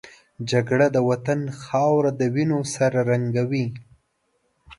جګړه د وطن خاوره د وینو سره رنګوي